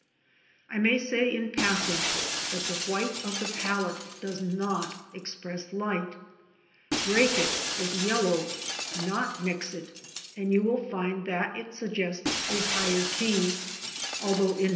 I may say in passing, that the white of the palette does not express light. Break it with yellow (not mix it) and you will find that it suggests a higher key, although in 8o LANDSCAPE PAINTING IN OIL COLOUR.